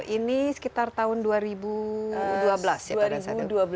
ini sekitar tahun dua ribu dua belas ya pak dan sadu